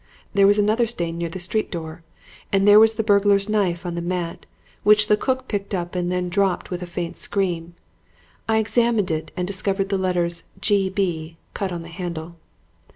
There was another stain near the street door, and there was the burglar's knife on the mat, which the cook picked up and then dropped with a faint scream. I examined it and discovered the letters 'G.B.' cut on the handle.